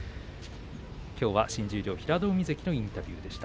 きょうは新十両平戸海関のインタビューでした。